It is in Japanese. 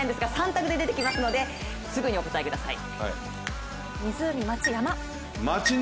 ３択で出てきますのですぐにお答えください。